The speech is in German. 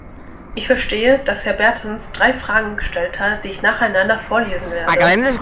Ich verstehe, dass Herr Bertens drei Fragen gestellt hat, die ich nacheinander vorlesen werde.